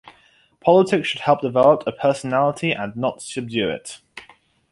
Politics should help develop a personality and not subdue it.